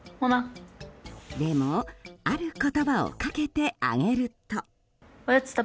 でも、ある言葉をかけてあげると。